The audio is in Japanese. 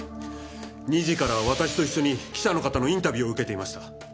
２時からは私と一緒に記者の方のインタビューを受けていました。